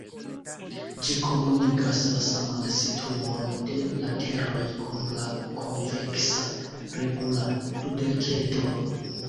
Ĝi komunigas la saman situon de lateroj kun la konveksa regula dudekedro.